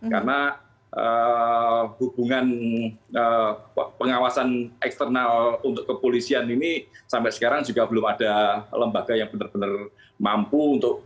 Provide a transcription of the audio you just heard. karena hubungan pengawasan eksternal untuk kepolisian ini sampai sekarang juga belum ada lembaga yang benar benar mampu